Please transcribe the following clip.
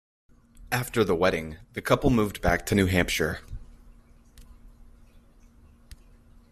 After the wedding, the couple moved back to New Hampshire.